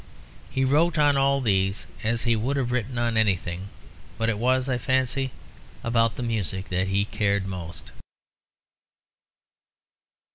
He wrote on all these as he would have written on anything; but it was, I fancy, about the music that he cared most.